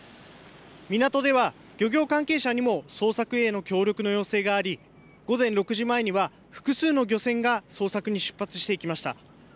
港では漁業関係者にも捜索への協力の要請があり、午前６時前には、複数の漁船が捜索に出発していきました。